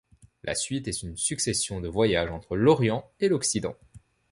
La suite est une succession de voyages entre l’Orient et l’Occident.